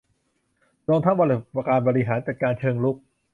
รวมทั้งระบบการบริหารจัดการเชิงรุก